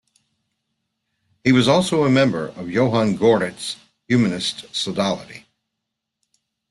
He was also a member of Johann Goritz's humanist sodality.